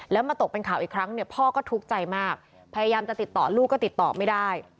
แล้วมาตกเป็นข่าวอีกครั้งเนี่ยพ่อก็ทุกข์ใจมากพยายามจะติดต่อลูกก็ติดต่อไม่ได้